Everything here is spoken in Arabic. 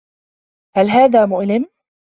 هل هذا مؤلم؟